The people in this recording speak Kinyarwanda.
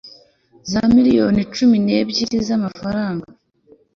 zamiliyoni icumi n ebyiri y amafaranga